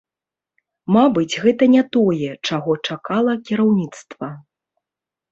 Мабыць, гэта не тое, чаго чакала кіраўніцтва.